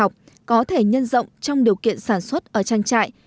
có thể nhân rộng trong điều kiện sản xuất ở tranh trại